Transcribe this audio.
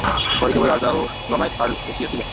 ঘরে কেবল রাজা ও রমাই ভাঁড় বসিয়াছিলেন।